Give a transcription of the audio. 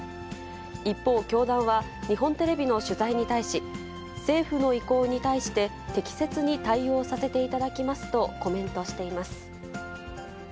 一方、教団は、日本テレビの取材に対し、政府の意向に対して、適切に対応させていただきますとコメントしています。